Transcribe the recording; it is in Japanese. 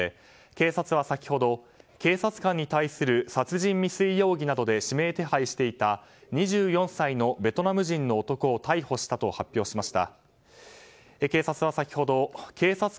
警察は先ほど、警察官に対する殺人未遂容疑などで指名手配していた２４歳のベトナム人の男を逮捕したと発表しました。